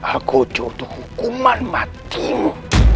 al ghojo untuk hukuman matimu